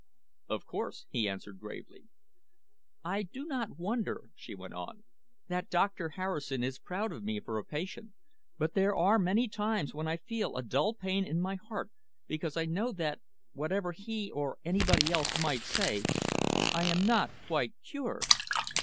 "Of course," he answered gravely. "I do not wonder," she went on, "that Doctor Harrison is proud of me for a patient, but there are many times when I feel a dull pain in my heart, because I know that, whatever he or anybody else might say, I am not quite cured."